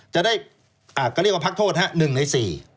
จะได้ก็เรียกว่าพักโทษฮะ๑ใน๔